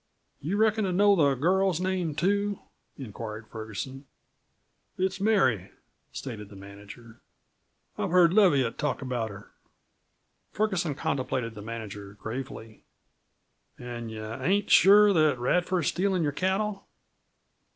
"You reckon to know the girl's name too?" inquired Ferguson. "It's Mary," stated the manager. "I've heard Leviatt talk about her." Ferguson contemplated the manager gravely. "An' you ain't sure that Radford's stealin' your cattle?"